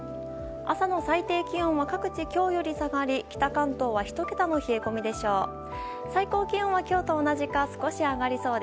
朝の最低気温は各地、今日より下がり北関東は１桁の冷え込みでしょう。